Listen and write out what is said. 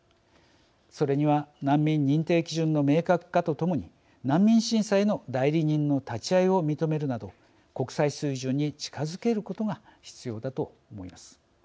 それには、難民認定基準の明確化とともに難民審査への代理人の立ち合いを認めるなど国際水準に近づけることが必要だと思います。